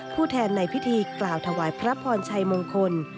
ผู้แทนในพิธีกล่าวถวายพระพรชัยมงคล